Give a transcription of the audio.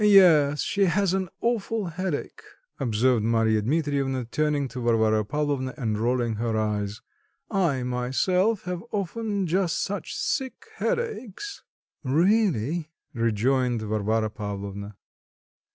"Yes, she has an awful headache," observed Marya Dmitrievna, turning to Varvara Pavlovna and rolling her eyes, "I myself have often just such sick headaches." "Really!" rejoined Varvara Pavlovna.